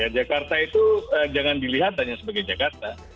jakarta itu jangan dilihat hanya sebagai jakarta